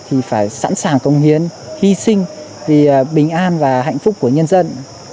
thì phải sẵn sàng công hiến hy sinh vì bình an và hạnh phúc của nhân dân